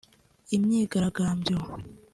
Imyigaragambyo